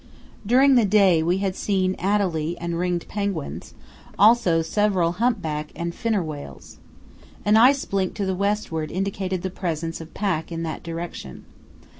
During the day we had seen adelie and ringed penguins, also several humpback and finner whales. An ice blink to the westward indicated the presence of pack in that direction.